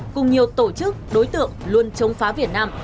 cùng nhiều tổ chức đối tượng luôn chống phá việt nam